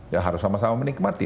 ya harus sama sama menikmati